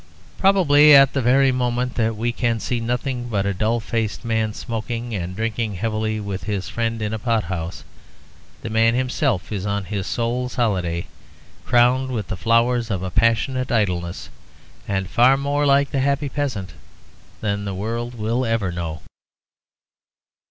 Probably at the very moment that we can see nothing but a dull faced man smoking and drinking heavily with his friend in a pot house, the man himself is on his soul's holiday, crowned with the flowers of a passionate idleness, and far more like the Happy Peasant than the world will ever know.